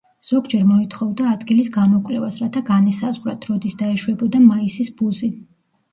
ზოგჯერ მოითხოვდა ადგილის გამოკვლევას, რათა განესაზღვრათ, როდის დაეშვებოდა მაისის ბუზი.